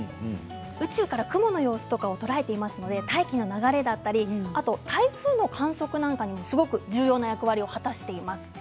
宇宙から雲の様子などを捉えていますので大気の流れだったりあと台風の観測などにもすごく重要な役割を果たしています。